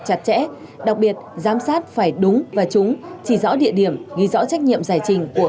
chặt chẽ đặc biệt giám sát phải đúng và trúng chỉ rõ địa điểm ghi rõ trách nhiệm giải trình của